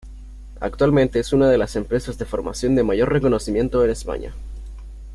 Actualmente es una de las empresas de formación de mayor reconocimiento en España.